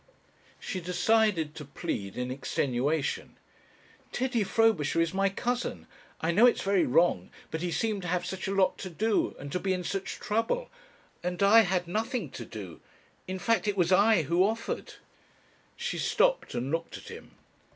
She decided to plead in extenuation. "Teddy Frobisher is my cousin. I know it's very wrong, but he seemed to have such a lot to do and to be in such trouble. And I had nothing to do. In fact, it was I who offered...." She stopped and looked at him.